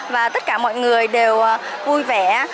và tất cả mọi người đều vui vẻ